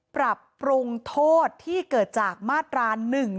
ปรับปรุงโทษที่เกิดจากมาตรา๑๑๒